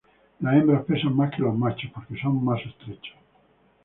Las hembras pesan más que los machos porque son más estrechos.